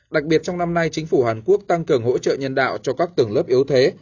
đặc biệt trong năm nay chính phủ hàn quốc tăng cường hỗ trợ nhân đạo cho các tầng lớp yếu thế